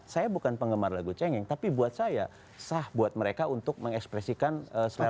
saya bukan penggemar lagu cengeng tapi buat saya sah buat mereka untuk mengekspresikan selama ini